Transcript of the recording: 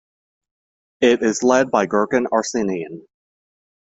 It is led by Gurgen Arsenian.